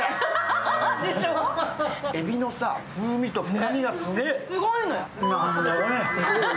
えびのさ、風味と深みがすごい。